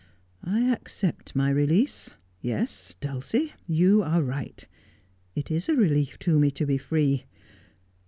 I accept my release. Yes, Dulcie, you are right. It is a relief to me to be free.